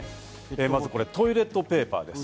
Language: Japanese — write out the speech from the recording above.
まずはこれ、トイレットペーパーです。